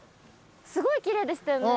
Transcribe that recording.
すごい奇麗でしたよね。